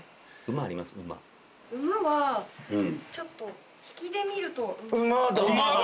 午はちょっと引きで見ると。